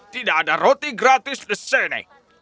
tidak ada roti gratis di sini